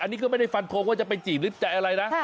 อันนี้ก็ไม่ได้ฟันโทรคว่าจะไปจีบรึจ่ายอะไรนะ